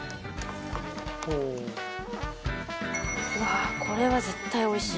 うわあこれは絶対おいしい。